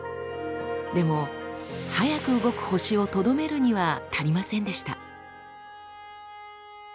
でも速く動く星をとどめるには足りませんでした。